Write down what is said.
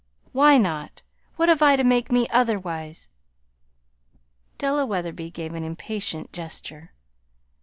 "Why not? What have I to make me otherwise?" Della Wetherby gave an impatient gesture.